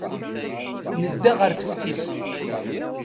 Nedda ɣer teftist.